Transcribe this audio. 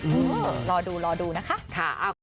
อืมรอดูรอดูนะคะค่ะ